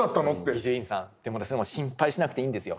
伊集院さんでも心配しなくていいんですよ。